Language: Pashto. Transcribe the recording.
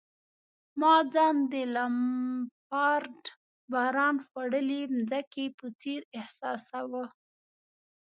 ما ځان د لمپارډ د باران خوړلي مځکې په څېر احساساوه.